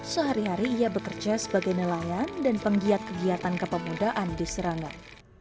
sehari hari ia bekerja sebagai nelayan dan penggiat kegiatan kepemudaan di serangan